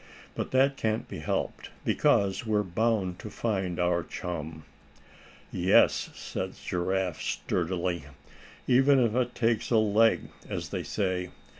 But that can't be helped, because we're bound to find our chum." "Yes," said Giraffe, sturdily, "even if it takes a leg, as they say.